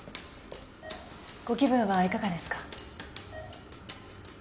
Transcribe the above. ご気分はいかがですか？